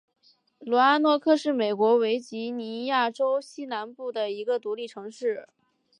罗阿诺克是美国维吉尼亚州西南部的一个独立城市。